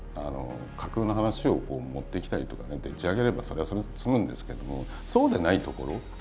架空の話を持ってきたりとかねでっち上げればそれはそれで済むんですけどもそうでないところ。